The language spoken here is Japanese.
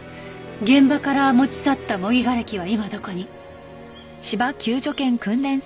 現場から持ち去った模擬瓦礫は今どこに？